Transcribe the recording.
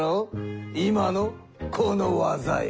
今のこの技よ。